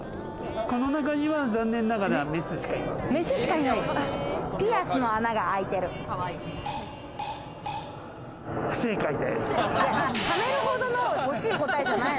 この中には残念ながらメスしかいません。